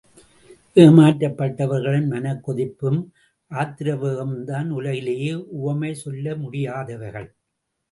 ஏமாற்றப் பட்டவர்களின் மனக் கொதிப்பும் ஆத்திர வேகமும்தான் உலகிலேயே உவமை சொல்ல முடியாதவைகள்.